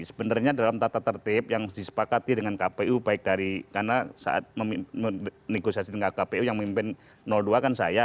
sebenarnya dalam tata tertib yang disepakati dengan kpu baik dari karena saat negosiasi dengan kpu yang memimpin dua kan saya